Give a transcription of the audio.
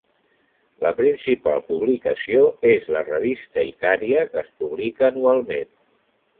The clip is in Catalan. La principal publicació és la revista Icària, que es publica anualment.